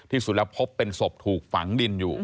ที่สุดแล้วพบเป็นศพถูกฝังดินอยู่